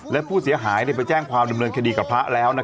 และผู้เสียหายไปแจ้งความดำเนินคดีกับพระแล้ว